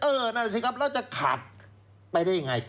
นั่นแหละสิครับแล้วจะขาดไปได้ยังไง